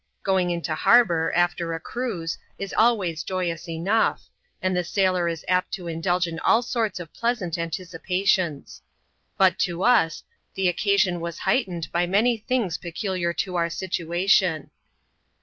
Going into har bour, after a cruise, is always joyous enough ; and the sailor is apt to indulge in all soi*ts of pleasant anticipations. But to us, the occasion was heightened by many things peculiar to our situation.